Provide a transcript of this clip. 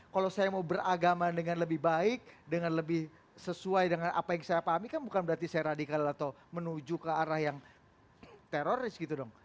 kalau saya mau beragama dengan lebih baik dengan lebih sesuai dengan apa yang saya pahami kan bukan berarti saya radikal atau menuju ke arah yang teroris gitu dong